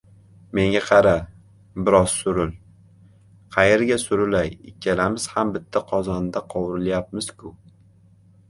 “Menga qara, biroz suril!” ― “Qayerga surilay, ikkalamiz ham bitta qozonda qovurilyapmiz-ku!”.